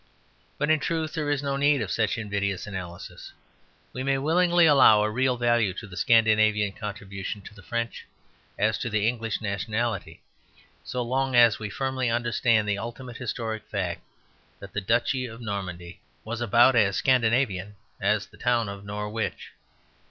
But in truth there is no need of such invidious analysis; we may willingly allow a real value to the Scandinavian contribution to the French as to the English nationality, so long as we firmly understand the ultimate historic fact that the duchy of Normandy was about as Scandinavian as the town of Norwich.